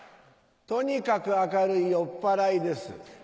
とにかく明るい酔っぱらいです。